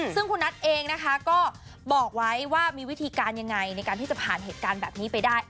ซึ่งคุณนัทเองนะคะก็บอกไว้ว่ามีวิธีการยังไงในการที่จะผ่านเหตุการณ์แบบนี้ไปได้